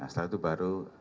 setelah itu baru